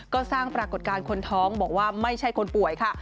ก็สร้างปรากฏการณ์คนท้องบอกว่าไม่ใช่คนป่วยค่ะ